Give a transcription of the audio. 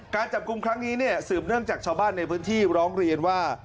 การจับกลุ่มครั้งนี้เนี่ยสืบเนื่องจากชาวบ้านในพื้นที่ร้องเรียนว่า